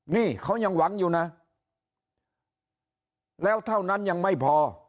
นี่เขายังหวังอยู่นะแล้วเท่านั้นยังไม่พอ